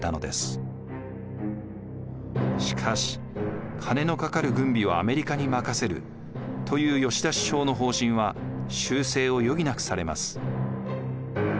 しかし金のかかる軍備はアメリカに任せるという吉田首相の方針は修正を余儀なくされます。